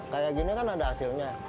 kayak gini kan ada hasilnya